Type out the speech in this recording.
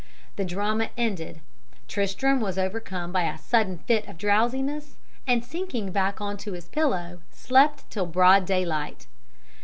The drama ended, Tristram was overcome by a sudden fit of drowsiness, and sinking back on to his pillow, slept till broad daylight.